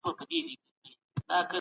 ملګري مي وویل چي دا کار ډېر اسانه دی.